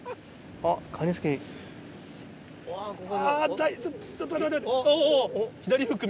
あぁちょっと待っておぉ。